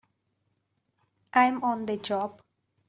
I'm on the job!